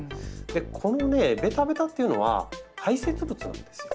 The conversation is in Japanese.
このねベタベタというのは排せつ物なんですよ。